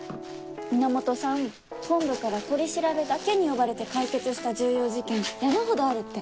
源さん本部から取り調べだけに呼ばれて解決した重要事件山ほどあるって。